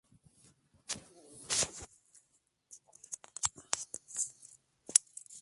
Su área de distribución es el centro occidental de Queensland y es diurna.